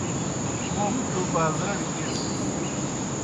موْ گہ تُوْ بازرَڑ گیئسَس۔